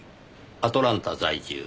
アトランタ在住。